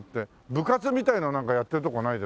部活みたいなのなんかやってるところないですか？